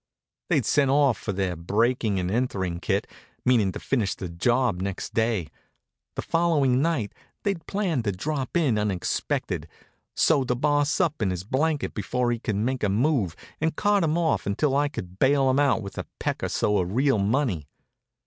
They'd sent off for their breaking and entering kit, meaning to finish the job next day. The following night they'd planned to drop in unexpected, sew the Boss up in his blanket before he could make a move, and cart him off until I could bail him out with a peck or so of real money.